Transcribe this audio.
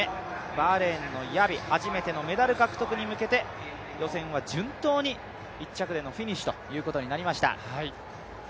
バーレーンのヤビ、初めてのメダル獲得に向けて予選は順当に１着でのフィニッシュとなりました。